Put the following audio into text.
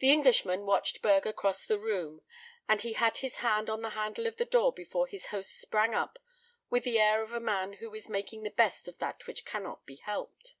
The Englishman watched Burger cross the room, and he had his hand on the handle of the door before his host sprang up with the air of a man who is making the best of that which cannot be helped.